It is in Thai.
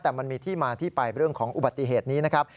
แต่มันมีที่มาที่ไปเรื่องของอุบัติเหตุนี้นะครับ